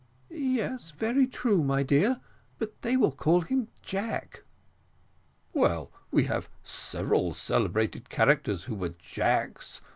"Yes, very true, my dear; but they will call him Jack." "Well, we have had several celebrated characters who were Jacks.